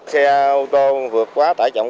xe ô tô vượt quá tải trọng